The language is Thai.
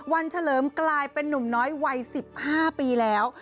เฉลิมกลายเป็นนุ่มน้อยวัย๑๕ปีแล้ว